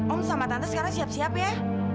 om sama tante sekarang siap siap ya